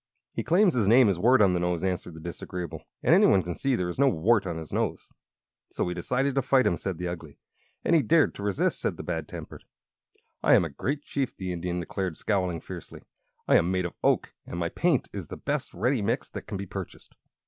"He claims his name is Wart on the Nose," answered the Disagreeable, "and any one can see there is no wart at all on his nose." "So we decided to fight him," added the Ugly. "And he dared to resist," said the Bad Tempered. "I am a great chief," the Indian declared, scowling fiercely. "I am made of oak, and my paint is the best ready mixed that can be purchased!"